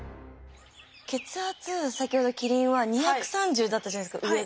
血圧先ほどキリンは２３０だったじゃないですか上が。